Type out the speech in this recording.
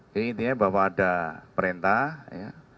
jadi intinya bahwa ada perintah ya